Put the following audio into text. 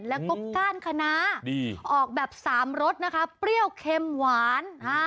ละกบด้านคณะออกแบบสามรสเปรี้ยวเข้มหวาน